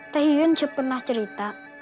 teh yun cep pernah cerita